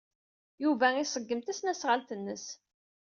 Yuba iṣeggem tasnasɣalt-nnes.